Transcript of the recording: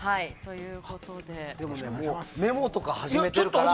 でも、メモとか始めてるから。